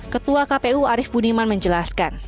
ketua kpu arief budiman menjelaskan